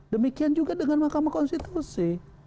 demikian juga dengan mahkamah konstitusi